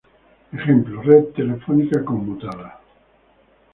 Ejemplo: red telefónica conmutada.